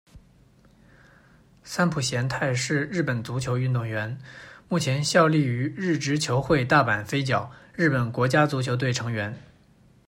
三浦弦太是日本足球运动员，目前效力于日职球会大阪飞脚，日本国家足球队成员。